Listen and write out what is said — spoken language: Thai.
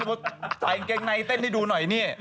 เพราะว่าใส่แองแกงในเต้นให้ดูหน่อยนี่